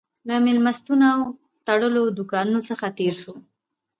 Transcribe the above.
له مېلمستونونو او تړلو دوکانونو څخه تېر شوو.